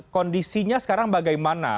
kondisinya sekarang bagaimana